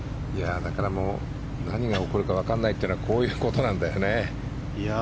だから、何が起こるかわからないというのはこういうことなんだよね。